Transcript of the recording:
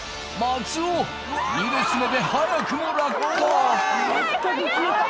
松尾２列目で早くも落下おーい！